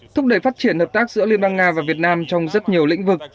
thúc đẩy phát triển hợp tác giữa liên bang nga và việt nam trong rất nhiều lĩnh vực